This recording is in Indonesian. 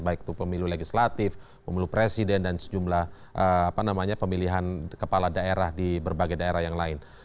baik itu pemilu legislatif pemilu presiden dan sejumlah pemilihan kepala daerah di berbagai daerah yang lain